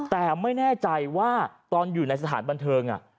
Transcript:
แต่ไม่แน่ใจว่าตอนอยู่ในสถานบันเทิง